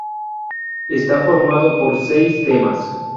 Está conformado por seis temas.